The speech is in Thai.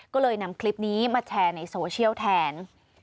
ก็เลยนำคลิปนี้มาแชร์ในโซเชียลแทน